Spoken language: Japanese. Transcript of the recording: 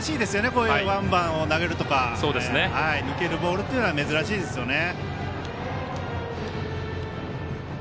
こういうワンバンを投げるとか抜けるボールというのは珍しいですよね。